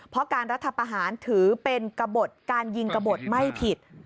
เพราะการรัฐประหารถือเป็นกระบดการยิงกระบดไม่ผิด